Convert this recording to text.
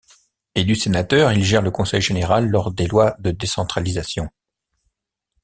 Élu sénateur, il gère le conseil général lors des lois de décentralisation.